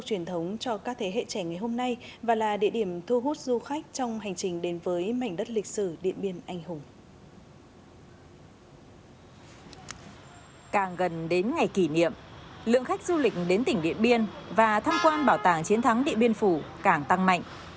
càng gần đến ngày kỷ niệm lượng khách du lịch đến tỉnh điện biên và tham quan bảo tàng chiến thắng điện biên phủ càng tăng mạnh